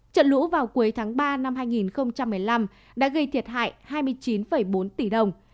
trận lũ vào cuối tháng ba năm hai nghìn một mươi năm đã gây thiệt hại hai mươi chín bốn tỷ đồng